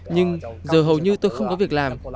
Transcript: nhưng giờ hầu như tôi không có việc làm